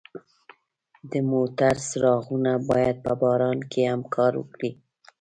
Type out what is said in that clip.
د موټرو څراغونه باید په باران کې هم کار وکړي.